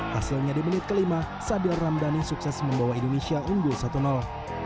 hasilnya di menit kelima sadil ramdhani sukses membawa indonesia unggul satu